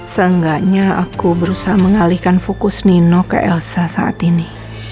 seenggaknya aku berusaha mengalihkan fokus nino ke elsa saat ini